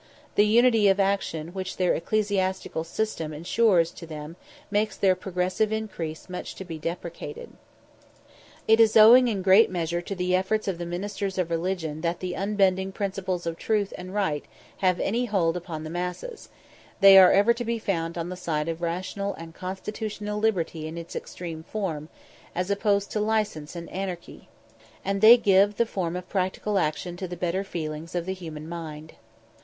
The unity of action which their ecclesiastical system ensures to them makes their progressive increase much to be deprecated. It is owing in great measure to the efforts of the ministers of religion that the unbending principles of truth and right have any hold upon the masses; they are ever to be found on the side of rational and constitutional liberty in its extreme form, as opposed to licence and anarchy; and they give the form of practical action to the better feelings of the human mind.